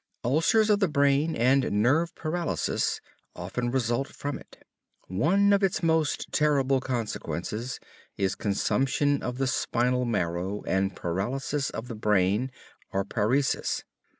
Ulcers of the brain and nerve paralysis often result from it. One of its most terrible consequences is consumption of the spinal marrow and paralysis of the brain, or paresis.